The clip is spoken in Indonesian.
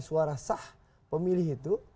suara sah pemilih itu